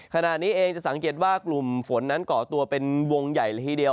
ขณะนี้เองจะสังเกตว่ากลุ่มฝนนั้นก่อตัวเป็นวงใหญ่ละทีเดียว